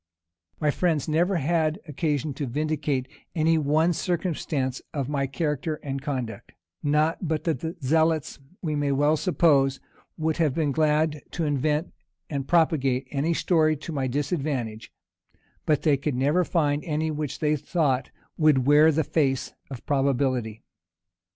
My friends never had occasion to vindicate any one circumstance of my character and conduct; not but that the zealots, we may well suppose, would have been glad to invent and propagate any story to my disadvantage, but they could never find any which they thought would wear the face of probability.